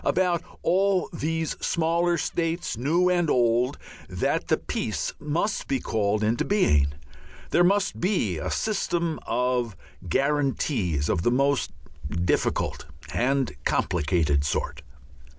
About all these smaller states, new and old, that the peace must call into being, there must be a system of guarantees of the most difficult and complicated sort.